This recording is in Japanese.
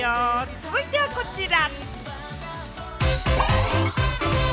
続いてはこちら。